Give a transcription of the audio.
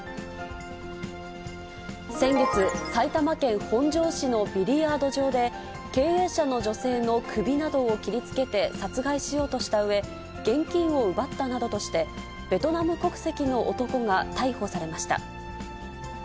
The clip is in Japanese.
先月、埼玉県本庄市のビリヤード場で、経営者の女性の首などを切りつけて殺害しようとしたうえ、現金を奪ったなどとして、ベトナム国籍の男が逮捕されました。